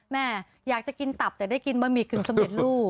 แม่อยากจะกินตับแต่ได้กินบะหมี่กึ่งสำเร็จลูก